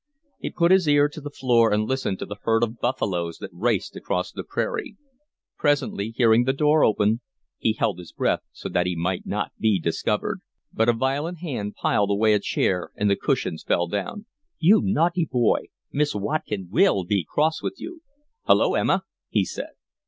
He put his ear to the floor and listened to the herd of buffaloes that raced across the prairie. Presently, hearing the door open, he held his breath so that he might not be discovered; but a violent hand pulled away a chair and the cushions fell down. "You naughty boy, Miss Watkin WILL be cross with you." "Hulloa, Emma!" he said.